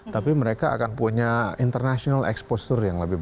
tapi mereka akan punya international exposure yang lebih baik